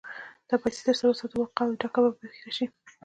دا پيسې در سره وساته؛ واقعه او ډکه به پېښه شي.